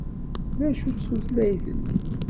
D acu-tt tutlayt-nni?